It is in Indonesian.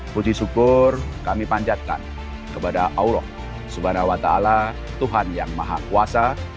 puji syukur kami panjatkan kepada allah subhanahu wa ta ala tuhan yang maha kuasa